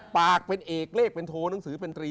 ปากเป็นเอกเลขเป็นโทรหนังสือเป็นตรี